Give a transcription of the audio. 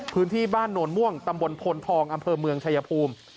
พื้นที่บ้านโนนม่วงตำบลพลทองอำเภอเมืองชายภูมิ